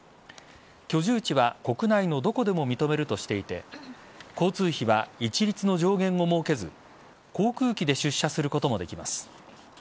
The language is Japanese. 居住地は国内のどこでも認めるとしていて交通費は一律の上限を設けず航空機で出社することもできます。